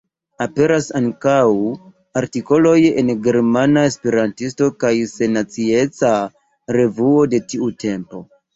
Aperas ankaŭ artikoloj el Germana Esperantisto kaj Sennacieca Revuo de tiu tempo.